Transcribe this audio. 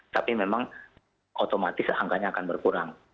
tapi memang otomatis angkanya akan berkurang